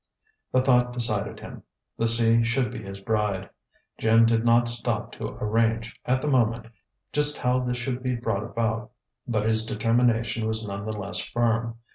The thought decided him. The sea should be his bride. Jim did not stop to arrange, at the moment, just how this should be brought about, but his determination was none the less firm.